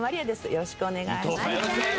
よろしくお願いします。